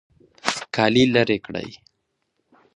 کالي لرې کړئ